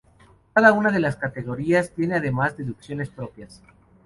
Cada una de las categorías tiene, además, deducciones propias.